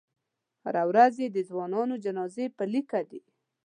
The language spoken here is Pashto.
هره ورځ یې د ځوانانو جنازې په لیکه دي.